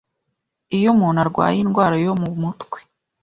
Iyo umuntu arwaye indwara yo mu mutwe